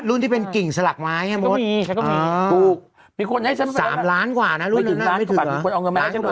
รุ่นที่เป็นกิ่งสลักไม้ใช่ไหมโม๊ต